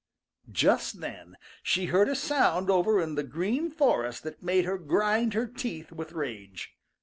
Just then she heard a sound over in the Green Forest that made her grind her teeth with rage.